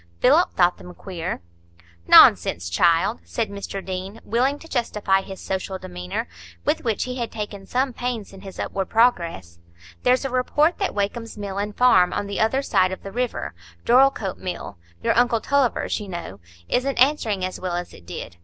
Philip thought them queer." "Nonsense, child!" said Mr Deane, willing to justify his social demeanour, with which he had taken some pains in his upward progress. "There's a report that Wakem's mill and farm on the other side of the river—Dorlcote Mill, your uncle Tulliver's, you know—isn't answering so well as it did.